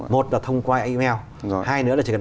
một là thông qua email rồi hai nữa là chỉ cần